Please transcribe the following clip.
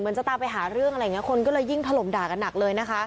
จะตามไปหาเรื่องอะไรอย่างนี้คนก็เลยยิ่งถล่มด่ากันหนักเลยนะคะ